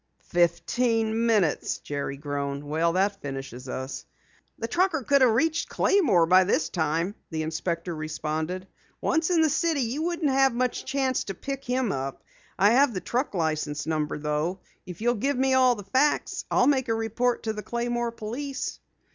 "Fifteen minutes!" Jerry groaned. "That finishes us." "The trucker could have reached Claymore by this time," the inspector responded. "Once in the city you wouldn't have much chance to pick him up. I have the truck license number though. If you'll give me all the facts, I'll make a report to Claymore police."